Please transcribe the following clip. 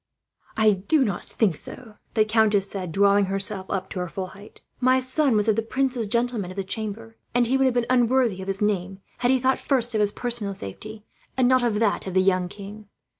"I do not think so," the countess said, drawing herself up to her full height. "My son was one of the prince's gentlemen of the chamber, and he would have been unworthy of his name, had he thought first of his personal safety and not of that of the young king."